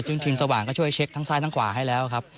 ซึ่งทีมสว่างก็ช่วยเช็คทั้งซ้ายทั้งขวาให้แล้วครับ